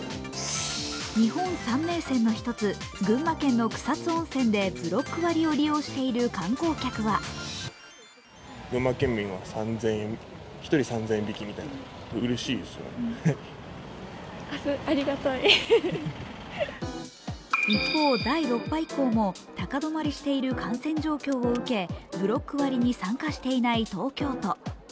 日本三名泉の１つ群馬県の草津温泉でブロック割を利用している観光客は一方、第６波以降も高止まりしている感染状況を受け、ブロック割に参加していない東京都。